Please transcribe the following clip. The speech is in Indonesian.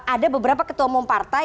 ada beberapa ketua umum partai